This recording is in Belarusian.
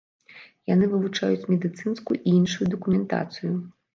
Яны вывучаюць медыцынскую і іншую дакументацыю.